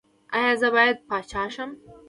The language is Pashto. ایا زه باید پاچا شم؟